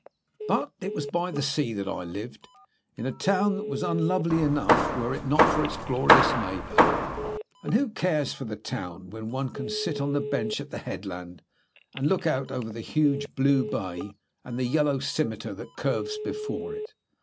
But it was by the sea that I lived, in a town that was unlovely enough were it not for its glorious neighbour. And who cares for the town when one can sit on the bench at the headland, and look out over the huge, blue bay, and the yellow scimitar that curves before it.